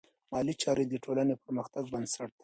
مالي چارې د ټولنې د پرمختګ بنسټ دی.